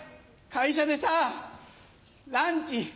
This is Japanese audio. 会社でさランチ